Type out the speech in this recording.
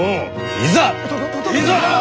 いざ！